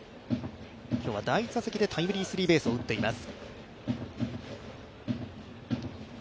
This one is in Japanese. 今日は第１打席でタイムリースリーベースを打っています。